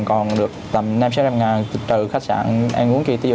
còn tầm hai trăm linh mấy ngàn